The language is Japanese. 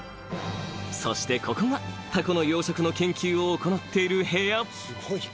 ［そしてここがタコの養殖の研究を行っている部屋］